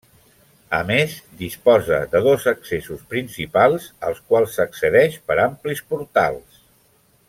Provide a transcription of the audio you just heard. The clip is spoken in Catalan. A més, disposa de dos accessos principals als quals s'accedeix per amplis portals.